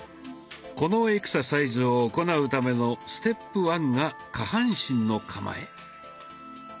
このエクササイズを行うためのステップワンが下半身の構え。